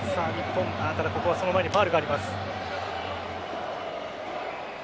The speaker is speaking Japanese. ただ、ここはその前にファウルがあります。